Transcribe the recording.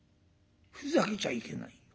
ふざけちゃいけないよ。